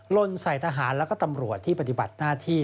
ลนใส่ทหารแล้วก็ตำรวจที่ปฏิบัติหน้าที่